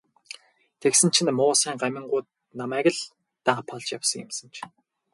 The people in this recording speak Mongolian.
Тэгсэн чинь муусайн гамингууд намайг л даапаалж явсан юм санж.